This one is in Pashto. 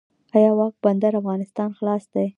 آیا واګه بندر افغانستان ته خلاص دی؟